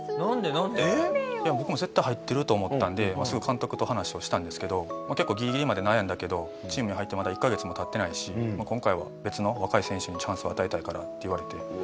僕も絶対入ってると思ったんですぐ監督と話はしたんですけど「結構ギリギリまで悩んだけどチームに入ってまだ１カ月も経ってないし今回は別の若い選手にチャンスを与えたいから」って言われて。